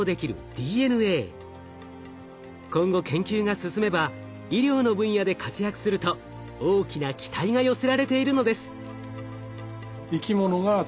今後研究が進めば医療の分野で活躍すると大きな期待が寄せられているのです。